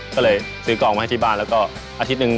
ก็เลยซื้อกองมาให้ที่บ้านแล้วก็อาทิตย์หนึ่ง